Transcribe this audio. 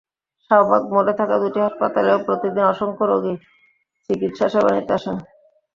শাহবাগ মোড়ে থাকা দুটি হাসপাতালেও প্রতিদিন অসংখ্য রোগী চিকিত্সাসেবা নিতে আসেন।